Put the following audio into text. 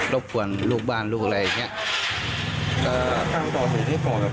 รบกวนลูกบ้านลูกอะไรอย่างเงี้ย